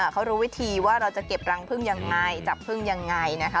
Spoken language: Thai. เขารู้วิธีว่าเราจะเก็บรังพึ่งยังไงจับพึ่งยังไงนะคะ